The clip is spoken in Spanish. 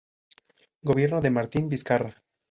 Gobierno de Martín Vizcarra